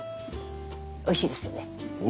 おいしいですよね。